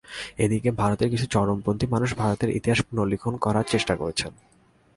এদিকে ভারতের কিছু চরমপন্থী মানুষ ভারতের ইতিহাস পুনর্লিখন করার চেষ্টা করছেন।